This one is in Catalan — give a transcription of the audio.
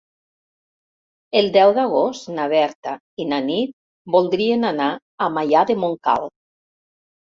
El deu d'agost na Berta i na Nit voldrien anar a Maià de Montcal.